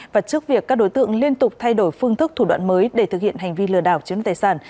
và trước việc các đối tượng liên tục thay đổi phương thức thủ đoạn mới để thực hiện hành vi lừa đảo chiếm tài sản